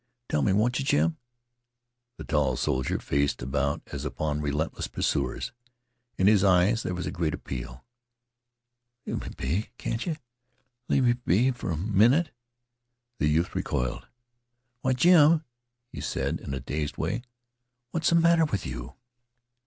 Tell me, won't you, Jim?" The tall soldier faced about as upon relentless pursuers. In his eyes there was a great appeal. "Leave me be, can't yeh? Leave me be fer a minnit." The youth recoiled. "Why, Jim," he said, in a dazed way, "what's the matter with you?"